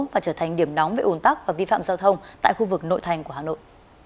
và trở thành điểm nóng về ồn tắc và vi phạm giao thông tại khu vực nội thành của hà nội